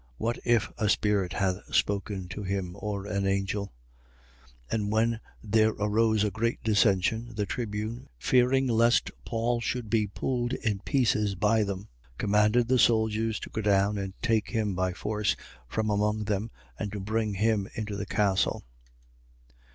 What if a spirit hath spoken to him, or an angel? 23:10. And when there arose a great dissension, the tribune, fearing lest Paul should be pulled in pieces by them, commanded the soldiers to go down and to take him by force from among them and to bring him into the castle.